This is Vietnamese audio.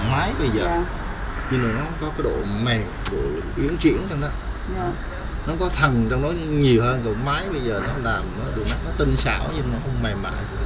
nó có cái thằng gì đó trông nó tinh xảo nhưng nó không mềm mạng nó có cái độ mềm của kiếm nó có cái độ ghế trong nó nhiều hơn giữa máy bây giờ nó làm nó có thằn trong nó nhiều hơn giữa máy bây giờ nó làm nó tinh xảo nhưng nó không mềm mạng